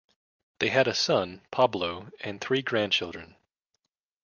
They had a son, Pablo, and three grandchildren.